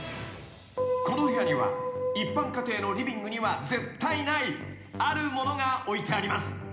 ［この部屋には一般家庭のリビングには絶対ないあるものが置いてあります］